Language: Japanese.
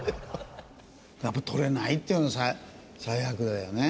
やっぱ取れないっていうのが最悪だよね。